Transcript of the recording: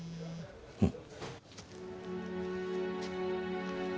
うん。